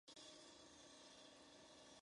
Una tregua de tres días fue acordada.